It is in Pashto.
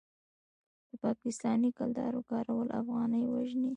د پاکستانۍ کلدارو کارول افغانۍ وژني.